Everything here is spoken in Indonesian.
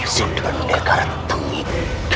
sintan negara tengik